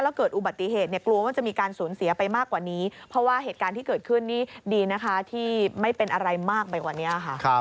แล้วพอพูดเสร็จเขาก็เดินขึ้นรถไปเลย